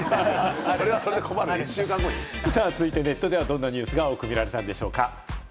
続いてネットではどんなニュースが多く見られたのでしょうか？